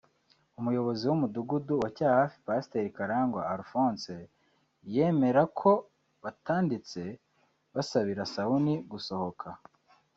umuyobozi w’umudugudu wa Cyahafi Pasiteri Karangwa Alphonse yemera ko batanditse basabira Sauni gusohoka